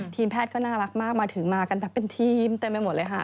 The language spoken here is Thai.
ทีมแพทย์ก็น่ารักมากมาถึงมากันแบบเป็นทีมเต็มไปหมดเลยค่ะ